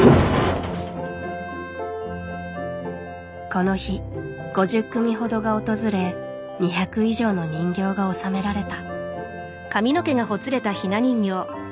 この日５０組ほどが訪れ２００以上の人形が納められた。